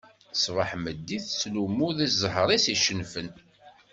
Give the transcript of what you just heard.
Ṣṣbeḥ meddi tettlummu deg zzher-is icennfen.